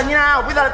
chuyện này lớn nó cứ